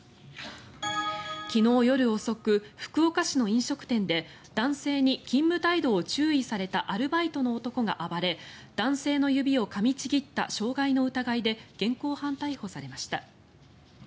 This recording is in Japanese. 昨日夜遅く、福岡市の飲食店で男性に勤務態度を注意されたアルバイトの男が暴れ男性の指をかみちぎった傷害の疑いで現行犯逮捕されました。